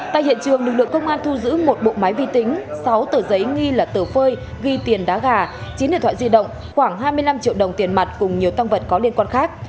tại hiện trường lực lượng công an thu giữ một bộ máy vi tính sáu tờ giấy nghi là tờ phơi ghi tiền đá gà chín điện thoại di động khoảng hai mươi năm triệu đồng tiền mặt cùng nhiều tăng vật có liên quan khác